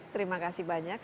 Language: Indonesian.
terima kasih banyak